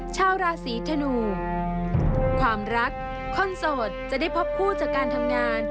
ชาวราศีธนูความรักคนโสดจะได้พบคู่จากการทำงาน